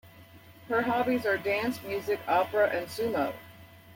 Her hobbies are dance, music, opera, and sumo.